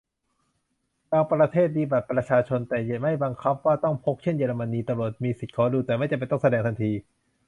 บางประเทศมีบัตรประชาชน แต่ไม่บังคับว่าต้องพก เช่น เยอรมนี ตำรวจมีสิทธิขอดู แต่ไม่จำเป็นต้องแสดงทันที